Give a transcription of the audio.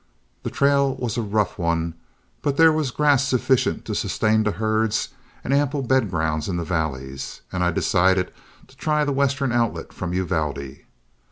The trail was a rough one, but there was grass sufficient to sustain the herds and ample bed grounds in the valleys, and I decided to try the western outlet from Uvalde.